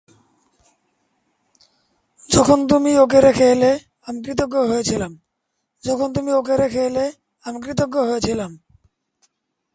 যখন তুমি ওকে রেখে এলে, আমি কৃতজ্ঞ হয়েছিলাম।